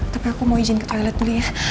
tapi aku mau izin ke toilet beli ya